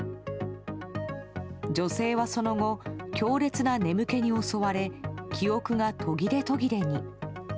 女性は、その後強烈な眠気に襲われ記憶が途切れ途切れに。